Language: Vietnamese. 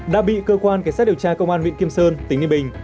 đã bị cơ quan cảnh sát điều tra công an huyện kim sơn tỉnh yên bình